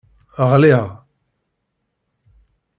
Ɣliɣ.